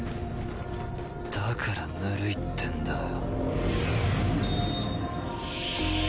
だからぬるいってんだよ。